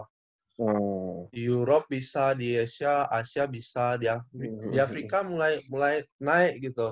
europe bisa di asia asia bisa di afrika mulai naik gitu